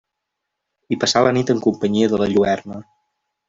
I passà la nit en companyia de la lluerna.